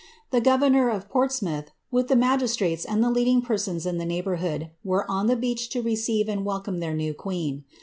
The governor of Portsmouth, with the magistrates and leading persons in the neighbourhood, were on the beach to receive and wel eome their new queen.